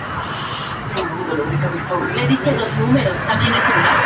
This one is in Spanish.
Su fuerte olor que recuerda a ratas o ratones.